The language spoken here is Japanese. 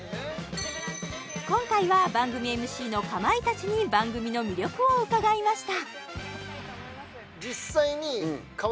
今回は番組ＭＣのかまいたちに番組の魅力を伺いました